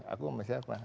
aku sama siapa